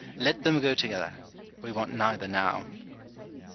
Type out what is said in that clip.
Let tliein go together ; we want neither now.